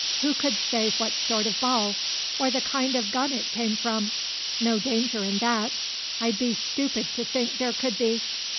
Who could say what sort of ball, or the kind of gun it came from? No danger in that. I'd be stupid to think there could be.